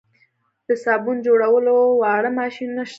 د صابون جوړولو واړه ماشینونه شته